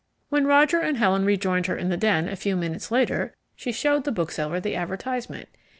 When Roger and Helen rejoined her in the den a few minutes later she showed the bookseller the advertisement.